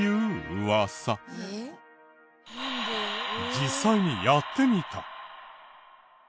実際にやってみた。